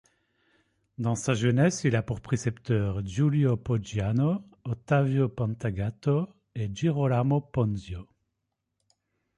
Dans sa jeunesse, il a pour précepteur Giulio Poggiano, Ottavio Pantagato, et Girolamo Ponzio.